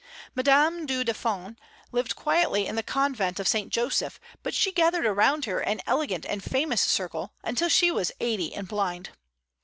Madame du Deffand lived quietly in the convent of St. Joseph, but she gathered around her an elegant and famous circle, until she was eighty and blind.